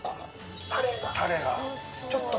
タレが。